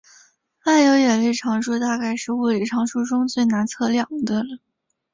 万有引力常数大概是物理常数中最难测量的了。